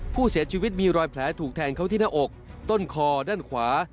ผู้เสียชีวิตมีรอยแผลถูกแทงเขาที่หน้าอกต้นคอด้านขวา